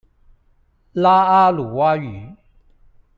拉阿魯哇語